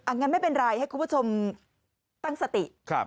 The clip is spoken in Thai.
งั้นไม่เป็นไรให้คุณผู้ชมตั้งสติ